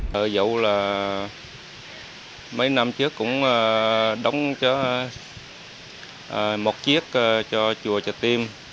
thời dẫu là mấy năm trước cũng đóng cho một chiếc cho chùa trà tim